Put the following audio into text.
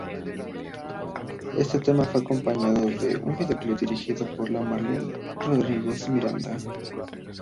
Este tema fue acompañado de un videoclip dirigido por Marlene Rodríguez Miranda.